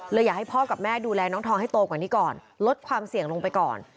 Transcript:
อยากให้พ่อกับแม่ดูแลน้องทองให้โตกว่านี้ก่อนลดความเสี่ยงลงไปก่อน